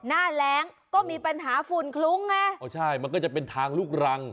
แรงก็มีปัญหาฝุ่นคลุ้งไงอ๋อใช่มันก็จะเป็นทางลูกรัง